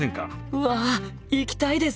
うわ行きたいです！